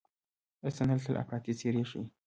رسنۍ تل افراطي څېرې ښيي.